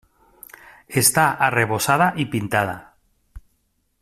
Està arrebossada i pintada.